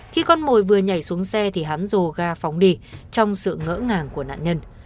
khi con mồi vừa nhảy xuống xe thì hắn dồ ga phóng đi trong sự ngỡ ngàng của nạn nhân